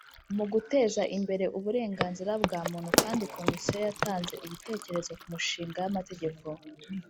Mu guteza imbere uburenganzira bwa Muntu kandi Komisiyo yatanze ibitekerezo ku mishinga y amategeko